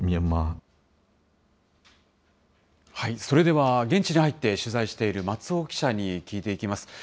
それでは現地に入って取材している松尾記者に聞いていきます。